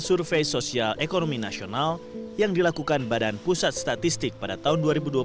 survei sosial ekonomi nasional yang dilakukan badan pusat statistik pada tahun dua ribu dua puluh satu